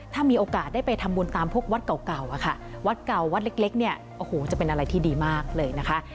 ถ้ามีโอกาสได้ไปทำบุญตามพวกวัดเก่าอะค่ะวัดเก่าวัดเล็กเนี่ยโอ้โหจะเป็นอะไรที่ดีมากเลยนะคะ